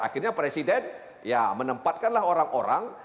akhirnya presiden ya menempatkanlah orang orang